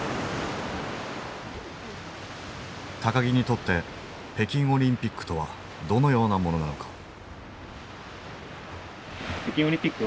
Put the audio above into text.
木にとって北京オリンピックとはどのようなものなのか。